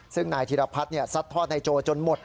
ซึ่งนายธีรพัดเนี่ยสัดทอดนายโจ้จนหมด